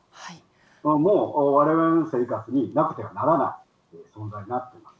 もう、われわれの生活になくてはならない存在になっています。